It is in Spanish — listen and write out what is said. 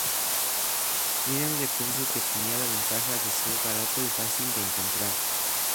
Era un recurso que tenía la ventaja de ser barato y fácil de encontrar.